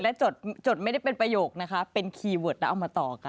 และจดไม่ได้เป็นประโยคนะคะเป็นคีย์เวิร์ดแล้วเอามาต่อกัน